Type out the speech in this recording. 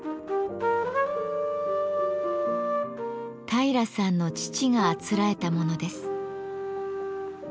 平良さんの父があつらえたものです。